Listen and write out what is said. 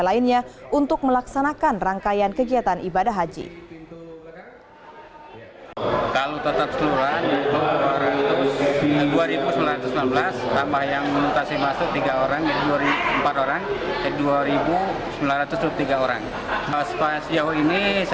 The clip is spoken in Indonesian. lainnya untuk melaksanakan rangkaian kegiatan ibadah haji itu kalau tetap seluruhnya